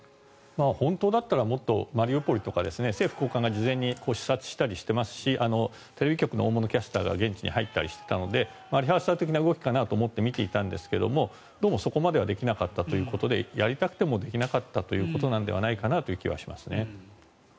本当だったらもっとマリウポリとか政府高官が事前に視察したりしてますしテレビ局の大物キャスターが現地に入ったりしてたのでリハーサル的な動きかなと思って見ていたんですがどうもそこまではできなかったということでやりたくてもできなかったということなのではないかなという気はしますね。